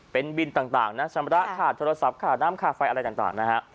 เป็นบินต่างนะชำระค่าโทรศัพท์ค่าน้ำค่าไฟอะไรต่างนะฮะ